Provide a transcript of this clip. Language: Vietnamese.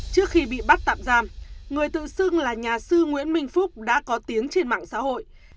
trước khi bị bắt tạm giam người tự xưng là nhà sư nguyễn minh phúc đã có tiếng trên mạng xã hội